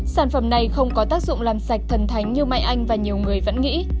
sản phẩm này không có tác dụng làm sạch thần thánh như mai anh và nhiều người vẫn nghĩ